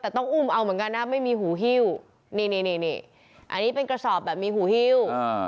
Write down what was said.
แต่ต้องอุ้มเอาเหมือนกันนะไม่มีหูฮิ้วนี่นี่อันนี้เป็นกระสอบแบบมีหูฮิ้ว